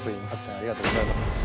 ありがとうございます。